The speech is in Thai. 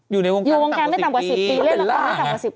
อยู่ในวงการไม่ต่ำกว่า๑๐ปี